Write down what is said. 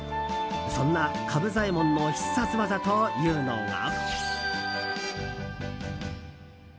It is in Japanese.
そんなカブ左衛門の必殺技というのが。